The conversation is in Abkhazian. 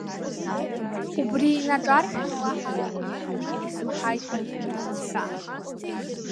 Убри инаҿаршәны уаҳа уи иҟынтә исмаҳаит принц ҳәа.